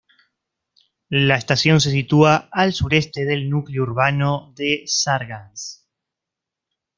La estación se sitúa al sureste del núcleo urbano de Sargans.